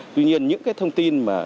tuy nhiên những cái thông tin mà